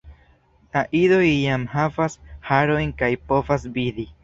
La idoj jam havas harojn kaj povas vidi.